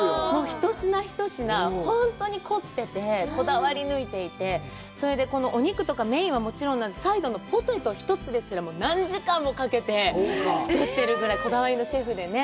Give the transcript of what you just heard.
一品一品、本当に凝ってて、こだわり抜いていて、それで、このお肉とかメインはもちろんなんですけど、サイドのポテト１つですら、何時間もかけて作ってるぐらい、こだわりのシェフでね。